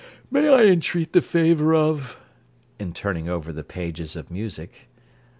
May I entreat the favour of (_turning over the pages of music.